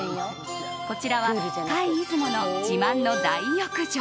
こちらは界出雲の自慢の大浴場。